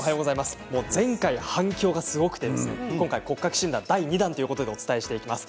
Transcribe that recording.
前回、反響がすごくて今回、骨格診断第２弾ということでお伝えしていきます。